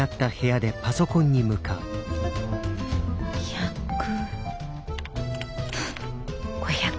１００５００。